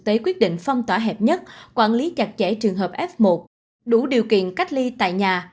tế quyết định phong tỏa hẹp nhất quản lý chặt chẽ trường hợp f một đủ điều kiện cách ly tại nhà